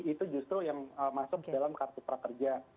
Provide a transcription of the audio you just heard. itu justru yang masuk dalam kartu prakerja